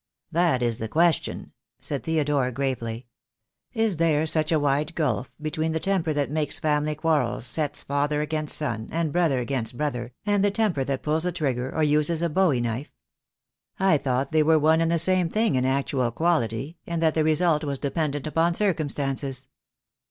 "That is the question," said Theodore gravely. "Is there such a wide gulf between the temper that makes family quarrels, sets father against son, and brother against brother, and the temper that pulls a trigger or uses a bowie knife? I thought they were one and the same thing in actual quality, and that the result was dependent upon circumstances."